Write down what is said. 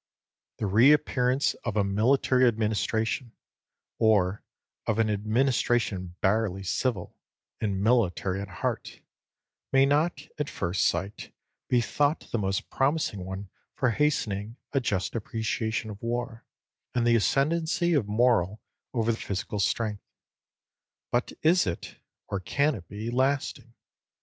The re appearance of a military administration, or of an administration barely civil, and military at heart, may not, at first sight, be thought the most promising one for hastening a just appreciation of war, and the ascendancy of moral over physical strength. But is it, or can it be, lasting?